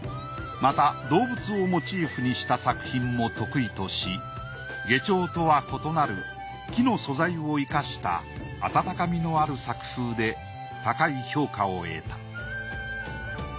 また動物をモチーフにした作品も得意とし牙彫とは異なる木の素材を生かした温かみのある作風で高い評価を得た。